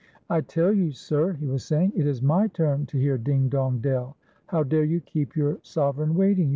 " I tell you, sir," he was saying, " it is my turn to hear 'Ding, dong, dell.' How dare you keep \our sovereign waiting.